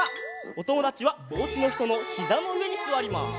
おともだちはおうちのひとのひざのうえにすわります。